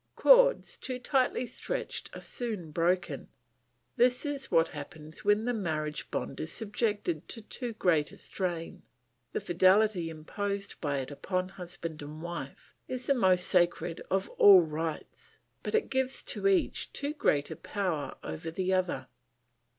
"Cords too tightly stretched are soon broken. This is what happens when the marriage bond is subjected to too great a strain. The fidelity imposed by it upon husband and wife is the most sacred of all rights; but it gives to each too great a power over the other.